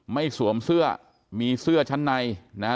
สวมเสื้อมีเสื้อชั้นในนะฮะ